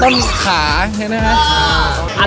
ต้นขาได้ไหม